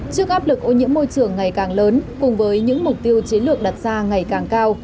trước áp lực ô nhiễm môi trường ngày càng lớn cùng với những mục tiêu chiến lược đặt ra ngày càng cao